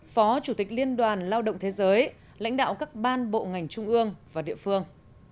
phó chủ tịch liên đoàn lao động thế giới lãnh đạo các ban bộ ngành trung ương và địa phương